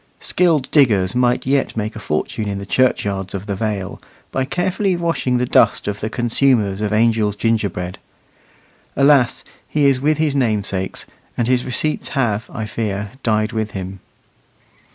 Skilled diggers might yet make a fortune in the churchyards of the Vale, by carefully washing the dust of the consumers of Angel's gingerbread. Alas! he is with his namesakes, and his receipts have, I fear, died with him.